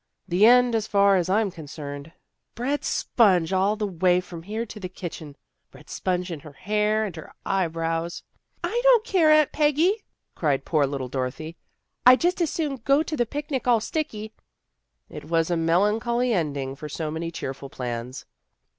" The end, as far as I'm concerned. Bread sponge all the way from here to the kitchen. Bread sponge in her hah* and her eyebrows." "/ don't care, Aunt Peggy," cried poor little 40 THE GIRLS OF FRIENDLY TERRACE Dorothy. "I'd just as soon go to the picnic aU sticky." It was a melancholy ending for so many cheerful plans.